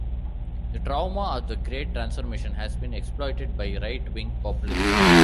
The trauma of the great transformation has been exploited by right-wing populists.